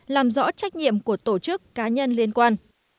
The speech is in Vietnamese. làm rõ trách nhiệm của tổ chức cá nhân liên quan